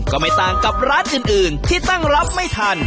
ก็ไม่ต่างกับร้านอื่นที่ตั้งรับไม่ทัน